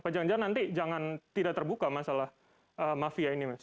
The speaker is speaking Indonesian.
jangan jangan nanti jangan tidak terbuka masalah mafia ini mas